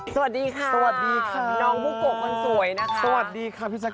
สวัสดีค่ะน้องผู้โกะคนสวยนะคะสวัสดีค่ะพี่จักร